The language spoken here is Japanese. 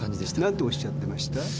なんておっしゃってました？